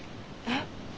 えっ？